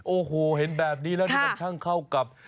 โอ้โหเห็นแบบนี้แล้วนี่มันช่างเข้ากับ